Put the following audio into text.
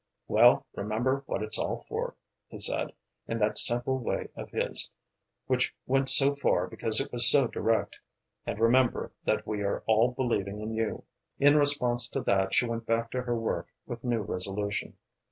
"Well, remember what it's all for," he said, in that simple way of his which went so far because it was so direct, "and remember that we are all believing in you." In response to that she went back to her work with new resolution.